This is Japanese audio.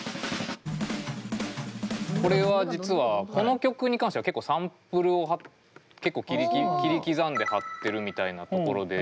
これは実はこの曲に関しては結構サンプルを結構切り刻んで貼ってるみたいなところで。